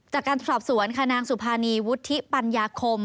จากการสอบสวนค่ะนางสุภานีวุฒิปัญญาคม